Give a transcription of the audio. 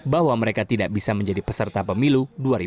bahwa mereka tidak bisa menjadi peserta pemilu dua ribu dua puluh